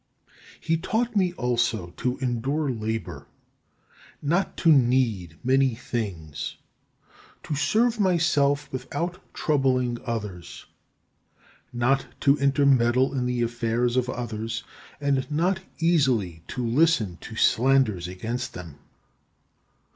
He taught me also to endure labour; not to need many things; to serve myself without troubling others; not to intermeddle in the affairs of others, and not easily to listen to slanders against them.